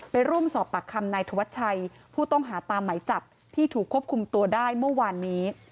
ไปร่วมสอบปากคำนายธวัชชัยผู้ต้องหาตามหมายจับที่ถูกควบคุมตัวได้เมื่อวานนี้